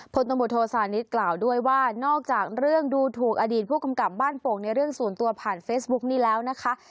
ตำรวจโทษานิทกล่าวด้วยว่านอกจากเรื่องดูถูกอดีตผู้กำกับบ้านโป่งในเรื่องส่วนตัวผ่านเฟซบุ๊กนี้แล้วนะคะ